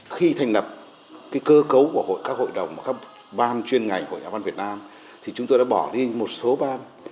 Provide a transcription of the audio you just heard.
khi thành lập cơ cấu của các hội đồng các ban chuyên ngành của nhà văn việt nam thì chúng tôi đã bỏ đi một số ban